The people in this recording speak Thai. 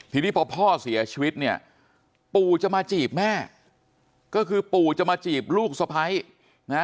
ทีนี้พอพ่อเสียชีวิตเนี่ยปู่จะมาจีบแม่ก็คือปู่จะมาจีบลูกสะพ้ายนะ